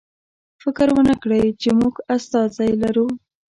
فکر ونکړئ چې موږ استازی لرو.